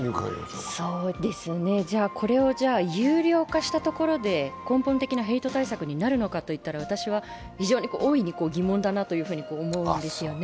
じゃあこれを有料化したところで根本的なヘイト対策になるかといったら私は非常に大いに疑問だというふうに思うんですね。